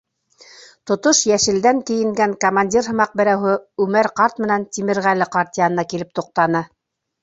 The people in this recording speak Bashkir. Тотош йәшелдән кейенгән командир һымаҡ берәүһе Үмәр ҡарт менән Тимерғәле ҡарт янына килеп туҡтаны.